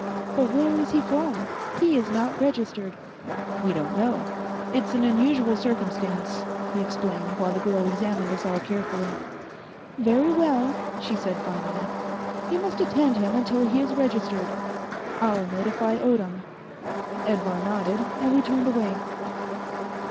"But where is he from? He is not registered." "We don't know. It's an unusual circumstance," he explained, while the girl examined us all carefully. "Very well," she said finally, "you must attend him until he is registered. I'll notify Odom." Edvar nodded, and we turned away.